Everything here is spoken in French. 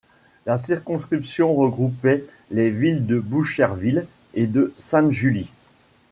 La circonscription regroupait les villes de Boucherville et de Sainte-Julie.